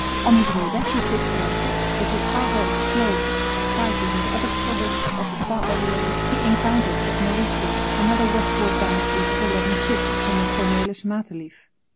On his way back in 1606 with his cargo of cloves, spices and other products of the far Orient, he encountered at Mauritius another westward bound fleet of eleven ships under Cornelis Matelief.